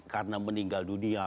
karena meninggal dunia